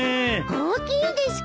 大きいですか？